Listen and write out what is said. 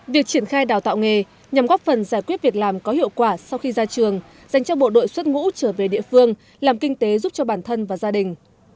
việc triển khai đào tạo nghề nhằm góp phần giải quyết việc làm có hiệu quả sau khi ra trường dành cho bộ đội xuất ngũ trở về địa phương làm kinh tế giúp cho bản thân và gia đình